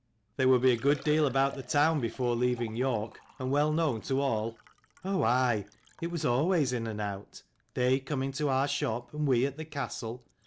"They would be a deal about the town before leaving York, and well known to all?" " Oh aye, it was always in and out ; they coming to our shop and we at the castle.